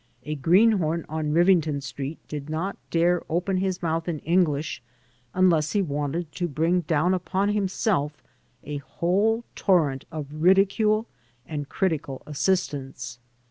A greenhorn on Riving ton Street did not dare open his mouth in English unless he wanted to bring down upon himself a whole torrent of ridicule and critical assistance.